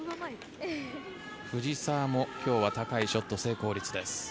藤澤も今日は高いショット成功率です。